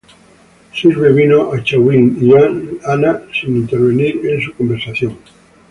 Sirve vino a Chauvin y a Anne sin intervenir en su conversación.